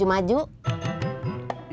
kicim peringnya gak maju maju